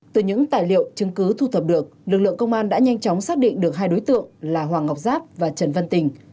từ những tài liệu chứng cứ thu thập được lực lượng công an đã nhanh chóng xác định được hai đối tượng là hoàng ngọc giáp và trần văn tình